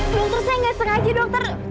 dokter saya gak sengaja dokter